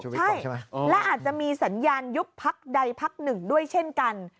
ใช่และอาจจะมีสัญญาณยุบพักใดพักหนึ่งด้วยเช่นกัน